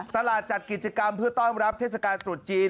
จัดกิจกรรมเพื่อต้อนรับเทศกาลตรุษจีน